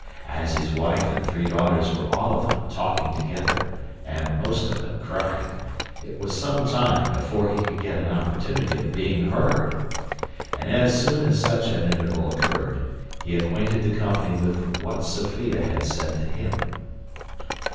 As his wife and three daughters were all of them talking together, and most of them crying, it was some time before he could get an opportunity of being heard; but as soon as such an interval occurred, he acquainted the company with what Sophia had said to him.